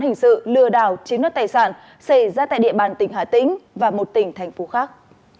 hình sự lừa đảo chiếm đoạt tài sản xảy ra tại địa bàn tỉnh hà tĩnh và một tỉnh thành phố khác